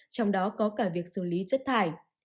trong đó có cả việc xử lý chất thải